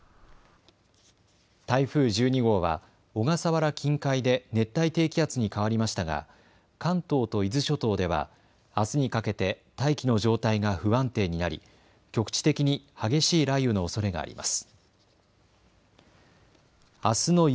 台風１２号は小笠原近海で熱帯低気圧に変わりましたが関東と伊豆諸島ではあすにかけて大気の状態が不安定になり局地的に激しい雷雨のおそれがあります。